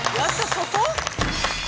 そこ？